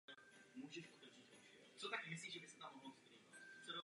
Vrchol je výškovým bodem současně tří řádově odlišných geomorfologických jednotek.